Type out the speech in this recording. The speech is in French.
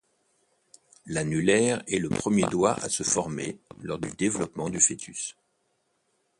L'annulaire est le premier doigt à se former lors du développement du fœtus.